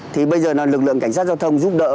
thì bây giờ là lực lượng cảnh sát giao thông giúp đỡ